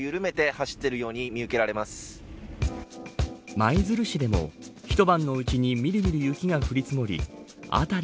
舞鶴市でも一晩のうちにみるみる雪が降り積もり辺り